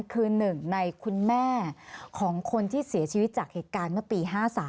คือหนึ่งในคุณแม่ของคนที่เสียชีวิตจากเหตุการณ์เมื่อปี๕๓